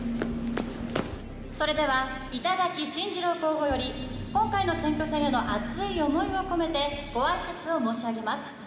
それでは板垣真二郎候補より今回の選挙戦への熱い思いを込めてご挨拶を申し上げます。